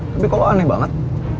tapi kok lo aneh banget